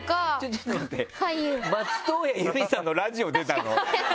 ちょっと待って松任谷由実さんのラジオ出たの？